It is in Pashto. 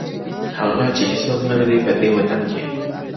هغه چي هيڅوک نه لري په دې وطن کي _